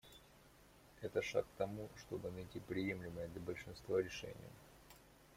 Это шаг к тому, чтобы найти приемлемое для большинства решение.